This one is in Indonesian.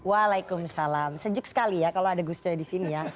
waalaikumsalam sejuk sekali ya kalau ada gus coy di sini ya